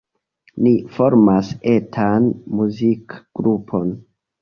Ni formas etan muzikgrupon.